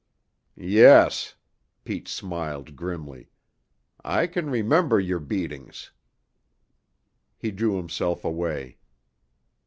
"Yes." Pete smiled grimly. "I can remember your beatings." He drew himself away.